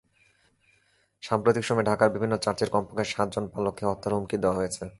সাম্প্রতিক সময়ে ঢাকার বিভিন্ন চার্চের কমপক্ষে সাতজন পালককে হত্যার হুমকি দেওয়া হয়েছে।